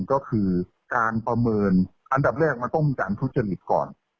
ก็คือการประเมินอันดับแรกมันต้องมีการทุจริตก่อน